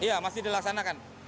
iya masih dilaksanakan